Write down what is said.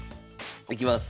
いきます。